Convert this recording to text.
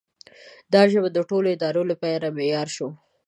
دا ژبه د ټولو ادارو لپاره معیار شوه.